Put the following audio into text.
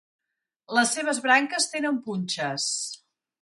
Les seves branques tenen punxes.